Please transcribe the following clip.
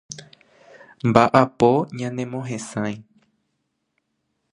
Mba'apo ñanemohesãi.